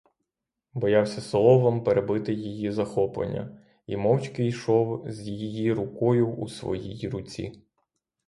Боявся словом перебити її захоплення і мовчки йшов з її рукою у своїй руці.